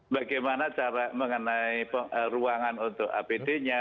bagaimana cara mengenai ruangan untuk apd nya